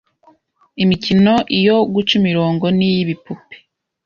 Imikino iyo guca imirongo, niy’ibipupe,